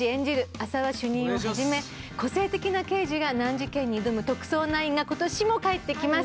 浅輪主任を始め個性的な刑事が難事件に挑む『特捜９』が今年も帰ってきます。